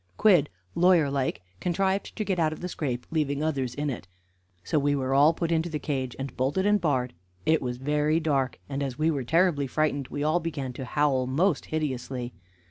Quidd, lawyer like, contrived to get out of the scrape, leaving others in it. So we were all put into the cage, and bolted and barred. It was very dark, and as we were terribly frightened, we all began to howl most hideously.